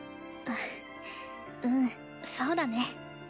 んっうんそうだね。